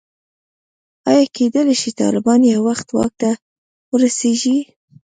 ایا کېدلای شي طالبان یو وخت واک ته ورسېږي.